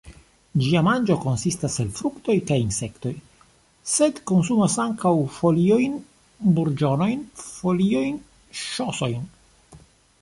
Ĝia manĝo konsistas el fruktoj kaj insektoj, sed konsumas ankaŭ foliojn, burĝonojn, foliojn, ŝosojn.